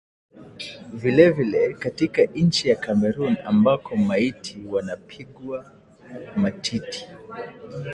vilevile katika nchi ya Cameroon ambako maiti wanapigwa matiti